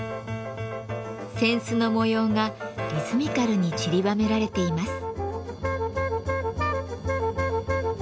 扇子の模様がリズミカルにちりばめられています。